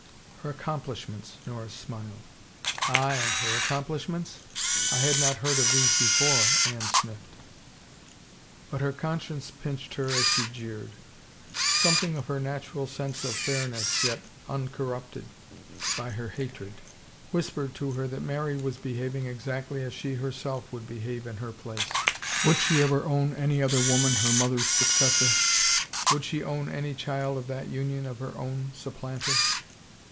Her accomplishments," Norris smiled. Aye, her accomplishments ? I had not heard of these before," Anne sniffed. But her conscience pinched her as she jeered. Some thing of her natural sense of fairness, yet uncorrupted by her hatred, whispered to her that Mary was behaving exactly as she herself would behave in her place. Would she ever own any other woman her mother's successor? Would she own any child of that union her own sup planter?